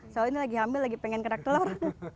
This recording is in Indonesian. soal ini lagi hamil lagi pengen kerak telur